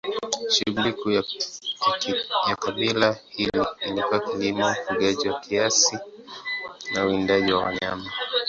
Shughuli kuu ya kabila hili ilikuwa kilimo, ufugaji kwa kiasi na uwindaji wa wanyama.